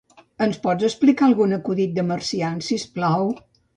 Ens pots explicar algun acudit de marcians, si us plau?